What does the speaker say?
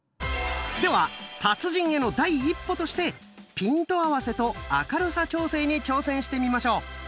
では達人への第一歩としてピント合わせと明るさ調整に挑戦してみましょう。